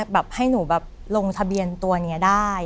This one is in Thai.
แบบให้หนูแบบลงทะเบียนตัวนี้ได้